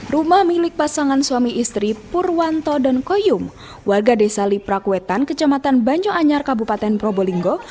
rumah milik pasangan suami istri purwanto dan koyum warga desa liprakwetan kecamatan banyo anyar kabupaten probolinggo